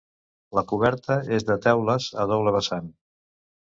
La coberta és de teules, a doble vessant.